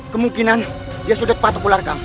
kemungkinan dia sudah patok ularkamu